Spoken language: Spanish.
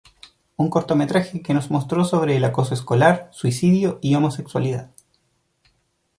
Un cortometraje que nos mostró sobre el acoso escolar, suicidio y homosexualidad.